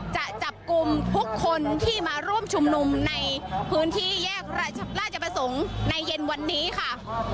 จะจับกลุ่มทุกคนที่มาร่วมชุมนุมในพื้นที่แยกราชประสงค์ในเย็นวันนี้ค่ะ